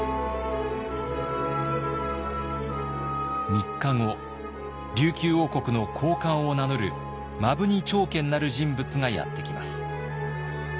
３日後琉球王国の高官を名乗る摩文仁朝健なる人物がやって来ます。